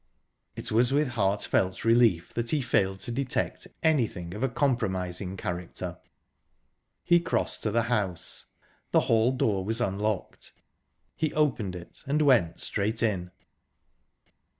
It was with heartfelt relief that he failed to detect anything of a compromising character. He crossed to the house. The hall door was unlocked; he opened it, and went straight in.